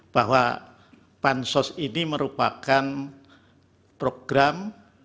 bahwa bansos ini merupakan program